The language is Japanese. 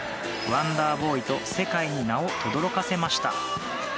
ワンダーボーイと世界に名をとどろかせました。